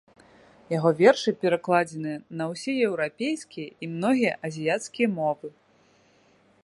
Яго вершы перакладзены на ўсе еўрапейскія і многія азіяцкія мовы.